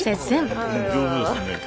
上手ですね。